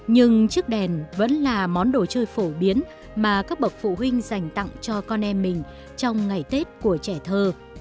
nhưng chiếc đèn vẫn là món đồ chơi phổ biến mà các bậc phụ huynh dành tặng cho con em mình trong ngày tết của trẻ thơ